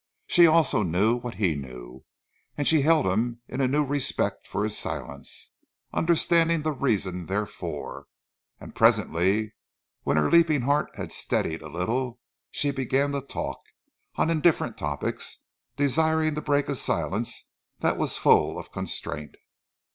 She also knew what he knew, and she held him in a new respect for his silence, understanding the reason therefor, and presently when her leaping heart had steadied a little she began to talk, on indifferent topics, desiring to break a silence that was full of constraint.